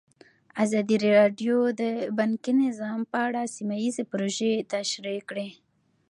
ازادي راډیو د بانکي نظام په اړه سیمه ییزې پروژې تشریح کړې.